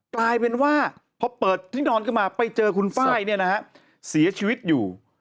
กลายเป็นว่าพอเปิดที่นอนขึ้นมาไปเจอคุณไฟล์เนี่ยนะฮะเสียชีวิตอยู่